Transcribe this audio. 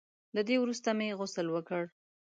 له دې وروسته مې غسل وکړ.